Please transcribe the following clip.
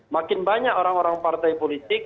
makin banyak orang orang partai politik